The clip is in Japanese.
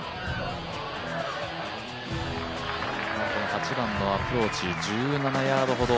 ８番のアプローチ、１７ヤードほど。